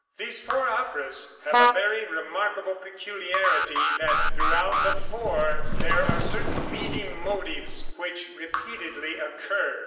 These four operas have a very remarkable peculiarity, that throughout the four there are certain leading motives, which repeatedly occur.